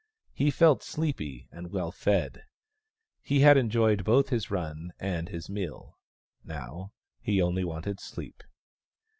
He felt sleepy and well fed ; he had enjoyed both his run and his meal. Now, he only wanted sleep.